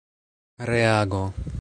reago